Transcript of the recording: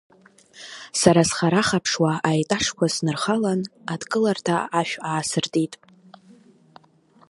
Сара схарахаԥшуа аетажқәа снырхалан, адкыларҭа ашә аасыртит.